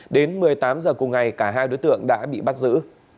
đến một mươi tám h cùng ngày cả hai đối tượng đã bị bắt giữ